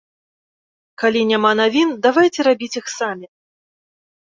Калі няма навін, давайце рабіць іх самі.